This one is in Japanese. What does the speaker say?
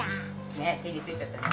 ねえ手についちゃったね。